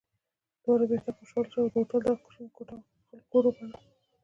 دواړه بېرته خوشحاله شوو او د هوټل دغه کوچنۍ کوټه مو خپل کور وګاڼه.